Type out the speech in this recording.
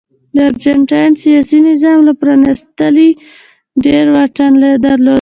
د ارجنټاین سیاسي نظام له پرانیستوالي ډېر واټن درلود.